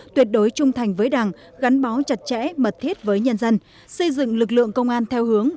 tuyệt đối trung thành với đảng gắn bó chặt chẽ mật thiết với nhân dân xây dựng lực lượng công an theo hướng